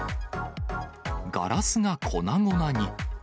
ガラスが粉々に。